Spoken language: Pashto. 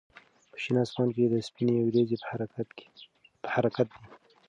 په شین اسمان کې سپینې وريځې په حرکت دي.